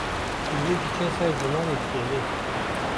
Pîrê diçe ser Zinarê Kelê